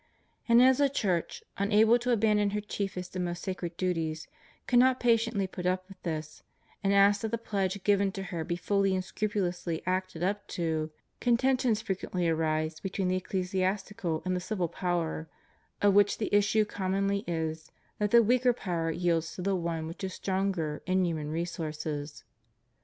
And as the Church, imable to aban don her chiefest and most sacred duties, cannot patiently put up with this, and asks that the pledge given to her be fully and scrupulously acted up to, contentions fre quently arise between the ecclesiastical and the civil power, of which the issue commonly is, that the weaker power yields to the one which is stronger in human re sources.